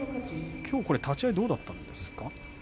きょう立ち合いどうだったんですか。